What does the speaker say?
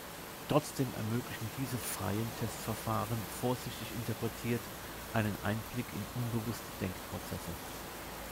Trotzdem ermöglichen diese „freien“ Testverfahren, vorsichtig interpretiert, einen Einblick in unbewusste Denkprozesse.